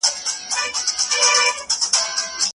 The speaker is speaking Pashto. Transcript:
خو په زړه کي پټ له ځان سره ژړېږم